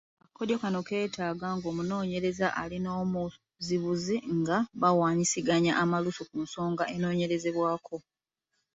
Akakodyo kano keetaaga ng’omunoonyereza ali n’omuzibuzi nga bawaanyisiganya amalusu ku nsonga enoonyeerezebwako.